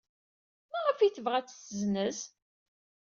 Maɣef ay tebɣa ad t-tessenz?